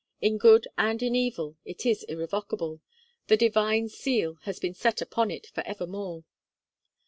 In good and in evil, it is irrevocable; the divine seal has been set upon it for evermore.